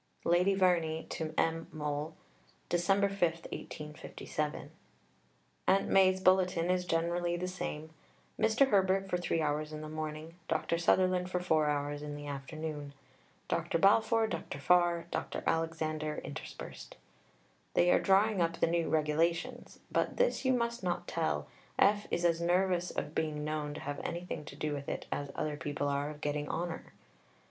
(Lady Verney to M. Mohl.) [Dec. 5, 1857.] Aunt Mai's bulletin is generally the same: "Mr. Herbert for 3 hours in the morning, Dr. Sutherland for 4 hours in the afternoon, Dr. Balfour, Dr. Farr, Dr. Alexander interspersed." They are drawing up the new Regulations (but this you must not tell. F. is as nervous of being known to have anything to do with it as other people are of getting honour)....